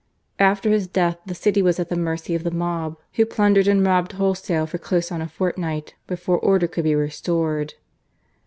After his death the city was at the mercy of the mob, who plundered and robbed wholesale for close on a fortnight before order could be restored.